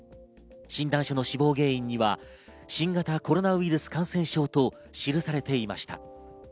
診断書の死亡原因には、新型コロナウイルス感染症と記されていました。